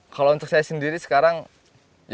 kalau untuk saya sendiri sekarang ya kita lebih